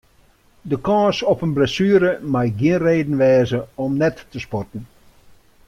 De kâns op in blessuere mei gjin reden wêze om net te sporten.